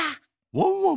ワンワン！